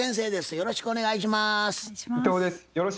よろしくお願いします。